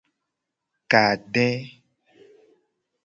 Kade.